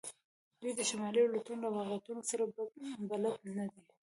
دوی د شمالي الوتنو له واقعیتونو سره بلد نه دي